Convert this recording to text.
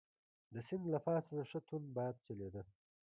د سیند له پاسه ښه توند باد چلیده.